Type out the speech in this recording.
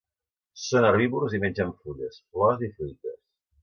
Són herbívors i mengen fulles, flors i fruites.